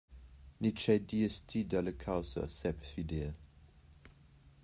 Ni tgei dias ti dalla caussa, Sepp Fidel?»